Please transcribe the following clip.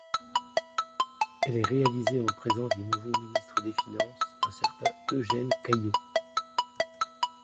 Elle est réalisée en présence du nouveau ministre des finances... un certain Eugène Caillaux.